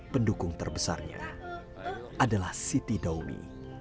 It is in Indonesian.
pendukung terbesarnya adalah siti daumi